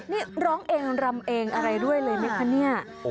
นี่ร้องเองรำเองอะไรด้วยเลยไหมคะเนี่ย